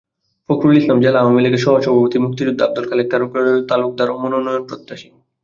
ফকরুল ইসলাম, জেলা আওয়ামী লীগের সহসভাপতি মুক্তিযোদ্ধা আবদুল খালেক তালুকদারও মনোনয়নপ্রত্যাশী।